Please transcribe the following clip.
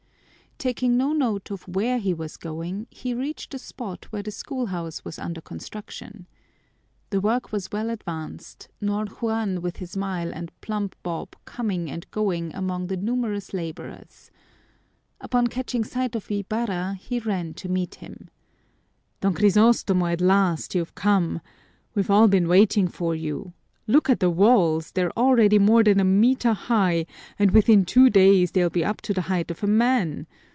Taking no note of where he was going, he reached the spot where the schoolhouse was under construction. The work was well advanced, Ñor Juan with his mile and plumb bob coming and going among the numerous laborers. Upon catching sight of Ibarra he ran to meet him. "Don Crisostomo, at last you've come! We've all been waiting for you. Look at the walls, they're already more than a meter high and within two days they'll be up to the height of a man.